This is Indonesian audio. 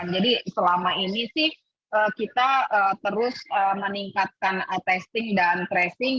jadi selama ini kita terus meningkatkan testing dan tracing